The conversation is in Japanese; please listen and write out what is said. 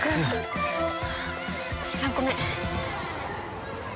３個目。